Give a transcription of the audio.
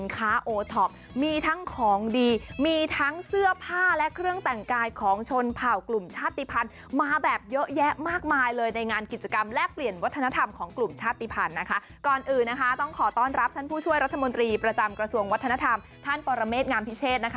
ของกลุ่มชาติภัณฑ์นะคะแต่ก่อนอื่นนะคะต้องขอต้อนรับท่านผู้ช่วยรัฐมนตรีประจำกระทรวงวัฒนธรรมท่านปรเมษงามพิเศษ